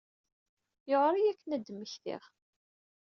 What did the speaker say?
Yuɛer-iyi akken ad d-mmektiɣ.